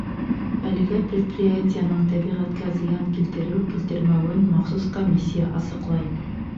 Әлегә предприятиеның тәбиғәткә зыян килтереү-килтермәүен махсус комиссия асыҡлай.